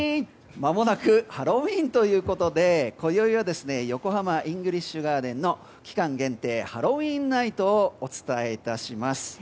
まもなくハロウィーンということで今宵は横浜イングリッシュガーデンの期間限定ハロウィーン・ナイトをお伝えいたします。